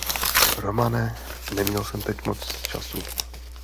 Romane, neměl jsem teď moc času.